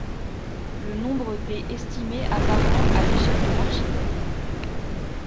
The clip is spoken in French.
Le nombre d' est estimé à par an à l'échelle de l'archipel.